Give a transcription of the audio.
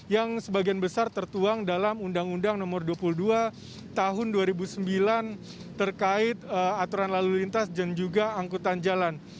yang sebagian besar tertuang dalam undang undang nomor dua puluh dua tahun dua ribu sembilan terkait aturan lalu lintas dan juga angkutan jalan